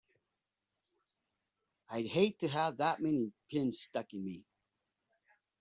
I'd hate to have that many pins stuck in me!